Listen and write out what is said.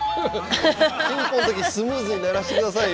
ピンポンの時スムーズに鳴らしてくださいよ。